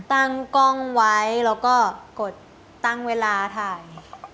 ตั้งกล้องไว้แล้วก็กดตั้งเวลาถ่าย